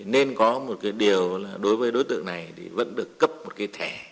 nên có một cái điều là đối với đối tượng này thì vẫn được cấp một cái thẻ